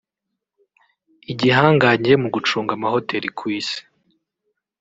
igihangange mu gucunga amahoteli ku isi